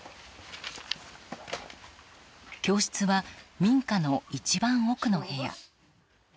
教室は民家の一番奥の部屋。